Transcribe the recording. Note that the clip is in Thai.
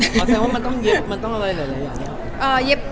หมายความว่ามันต้องเย็บมันต้องอะไรอะไรอย่างนี้เอ่อเย็บ